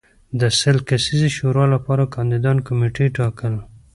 د سل کسیزې شورا لپاره کاندیدان کمېټې ټاکل